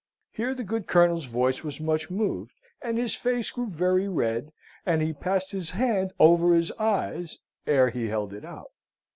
Here the good Colonel's voice was much moved, and his face grew very red, and he passed his hand over his eyes ere he held it out.